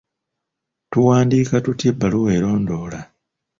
Tuwandiika tutya ebbaluwa erondoola?